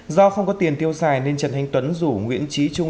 do không có tiền tiêu xài nên trần thanh tuấn rủ nguyễn trí trung